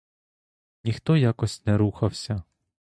Ніхто якось не рухався.